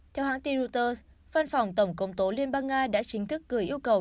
theo hãng tin reuters văn phòng tổng công tố liên bang nga đã chính thức gửi yêu cầu